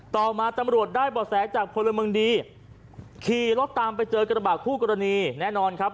ต่อมาตำรวจได้บ่อแสจากพลเมืองดีขี่รถตามไปเจอกระบาดคู่กรณีแน่นอนครับ